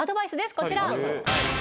こちら。